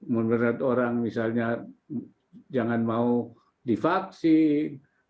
memberat orang misalnya jangan mau divaksin